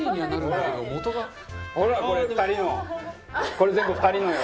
これ全部２人のよ。